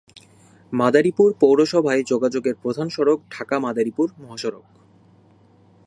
মাদারীপুর পৌরসভায় যোগাযোগের প্রধান সড়ক ঢাকা-মাদারীপুর মহাসড়ক।